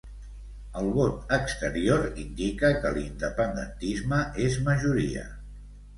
El vot exterior indica que l'independentisme és majoria.